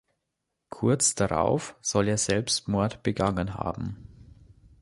Kurz darauf soll er Selbstmord begangen haben.